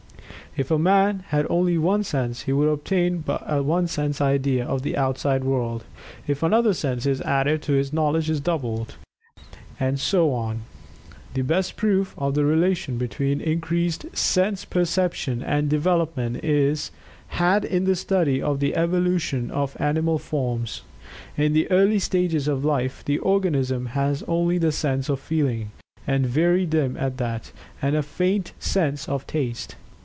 If a man had only one sense he would obtain but a one sense idea of the outside world. If another sense is added his knowledge is doubled. And so on. The best proof of the relation between increased sense perception and development is had in the study of the evolution of animal forms. In the early stages of life the organism has only the sense of feeling and very dim at that and a faint sense of taste.